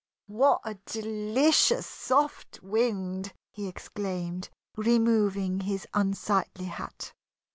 "What a delicious soft wind!" he exclaimed, removing his unsightly hat.